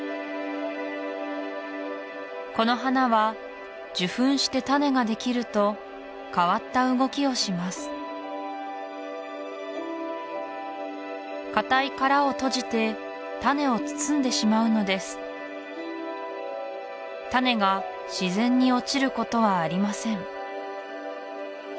この花は受粉して種ができると変わった動きをしますかたい殻を閉じて種を包んでしまうのです種が自然に落ちることはありません